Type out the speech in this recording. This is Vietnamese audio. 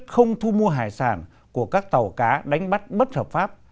không thu mua hải sản của các tàu cá đánh bắt bất hợp pháp